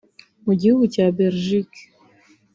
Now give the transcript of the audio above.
Mu gihugu cya Belgique